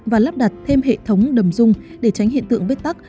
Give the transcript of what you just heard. và lắp đặt thêm hệ thống đầm dung để tránh hiện tượng bế tắc